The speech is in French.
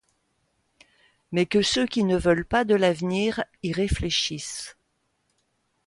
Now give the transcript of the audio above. Mais que ceux qui ne veulent pas de l'avenir y réfléchissent.